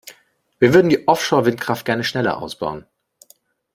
Wir würden die Offshore-Windkraft gerne schneller ausbauen.